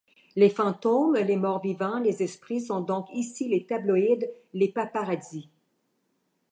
Les fantômes, les morts-vivants, les esprits, sont donc ici les tabloïds, les paparazzis.